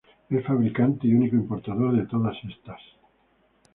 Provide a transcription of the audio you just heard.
Es fabricante y único importador de todas estas.